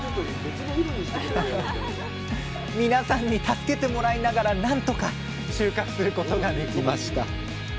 皆さんに助けてもらいながら何とか収穫することができました！